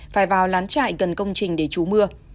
phải vào lán trại cần công trình để trú mưa